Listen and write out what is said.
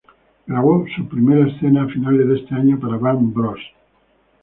Grabó su primeras escena a finales de ese año para Bang Bros.